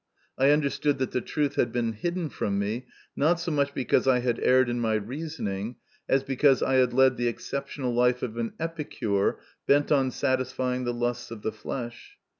I understood that the truth had been hidden from me, not so much because I had erred in my reasoning, as because I had led the exceptional life of an epicure bent on satisfying the lusts of the flesh.